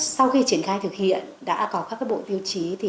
sau khi triển khai thực hiện đã có các bộ tiêu chí